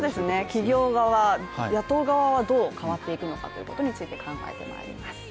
企業側、雇う側はどう変わっていくのかについて考えていきます。